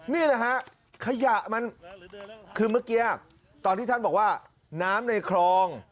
นี่แหละฮะขยะมันคือเมื่อกี้ตอนที่ท่านบอกว่าน้ำในคลอง